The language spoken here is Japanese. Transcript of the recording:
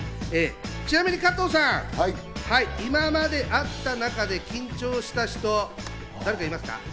ちなみに加藤さん、今まで会った中で緊張した人、誰かいますか？